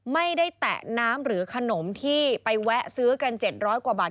แตะน้ำหรือขนมที่ไปแวะซื้อกัน๗๐๐กว่าบาท